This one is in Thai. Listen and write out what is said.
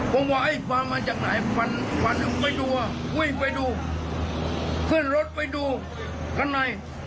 ผมว่าไอ้ฟันมาจากไหนฟันไปดูขึ้นรถไปดูข้างใน